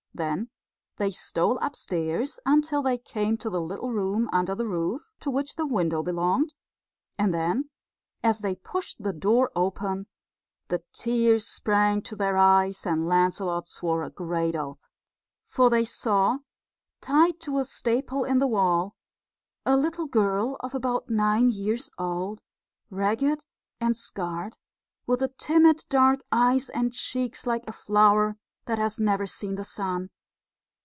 Then they stole upstairs until they came to the little room under the roof to which the window belonged; and then, as they pushed the door open, the tears sprang to their eyes, and Lancelot swore a great oath. For there they saw, tied to a staple in the wall, a little girl of about nine years old, ragged and scarred, with timid dark eyes and cheeks like a flower that has never seen the sun.